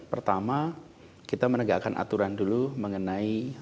pertama kita menegakkan aturan dulu mengenai